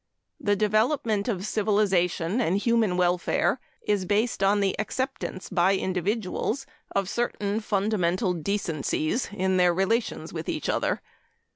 The development of civilization and of human welfare is based on the acceptance by individuals of certain fundamental decencies in their relations with each other.